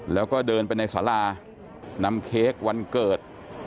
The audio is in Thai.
แล้วก็เดินไปในสารานำเค้กวันเกิด